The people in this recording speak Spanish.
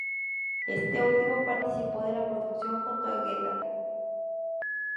Este último participó de la producción junto a Guetta.